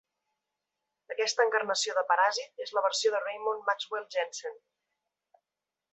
Aquesta encarnació de Paràsit és la versió de Raymond Maxwell Jensen.